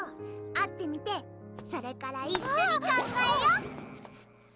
会ってみてそれから一緒に考えよう！